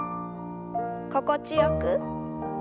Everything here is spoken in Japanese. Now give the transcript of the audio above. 心地よく。